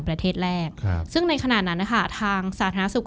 ประเทศแรกซึ่งในขณะนั้นทางสาธาศุปร์